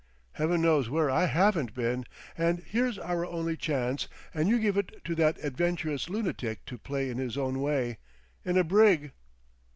"Heaven knows where I haven't been. And here's our only chance—and you give it to that adventurous lunatic to play in his own way—in a brig!"